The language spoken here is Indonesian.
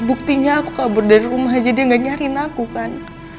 buktinya aku kabur dari rumah aja dia gak nyariin aku kan